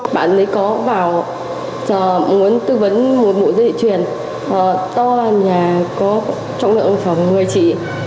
bạn ấy có vào muốn tư vấn một bộ dây truyền to là nhà có trọng lượng khoảng một mươi trị